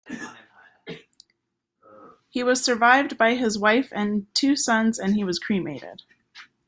He was survived by his wife and two sons, and he was cremated.